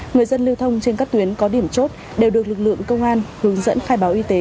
người dân lưu thông trên các tuyến có điểm chốt đều được lực lượng công an hướng dẫn khai báo y tế